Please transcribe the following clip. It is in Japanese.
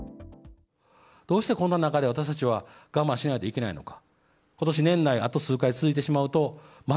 どうしてこんな中で、私たちは我慢しないといけないのか。